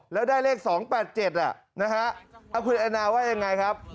แล้วได้เลข๒๘๗น่ะคุณอันน่าว่าอย่างไรครับ